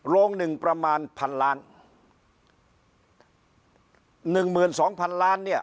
โรงหนึ่งประมาณพันล้านหนึ่งหมื่นสองพันล้านเนี่ย